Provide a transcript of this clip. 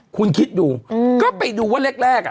คุณคิดดูก็ไปดูว่าแรก